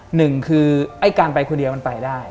หนึ่งคือไอ้การไปคนเดียวมันไปได้